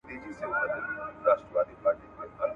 مځکه ئې سره کړه، د پلانۍ ئې پر شپه کړه.